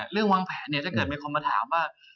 เรื่องวางแผนเนี่ยจะเกิดมีคนมาถามว่า